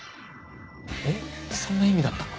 えっそんな意味だったの？